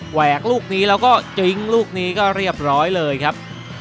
แหวกลูกนี้แล้วก็จิ้งลูกนี้ก็เรียบร้อยเลยครับ